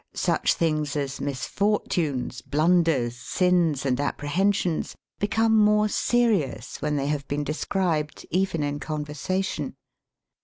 Such things as misfortunes, blunders, sins, and apprehensions become more serious when they have been de scribed even in conversation.